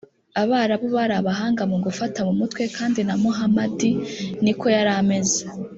abarabu bari abahanga mu gufata mu mutwe kandi na muhamadi ni ko yari ameze.